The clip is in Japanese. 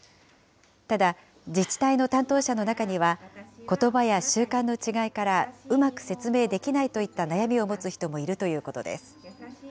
ただ、自治体の担当者の中には、ことばや習慣の違いからうまく説明できないといった悩みを持つ人もいるということです。